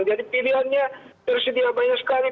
jadi pilihannya tersedia banyak sekali